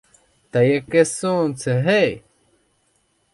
Та яке сонце, гей!